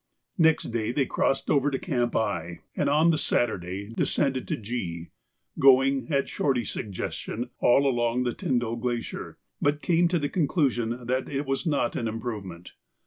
Next day they crossed over to Camp I, and on the Saturday descended to G, going, at Shorty's suggestion, all along the Tyndall Glacier, but came to the conclusion that it was not an improvement.